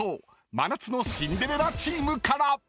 真夏のシンデレラチームから］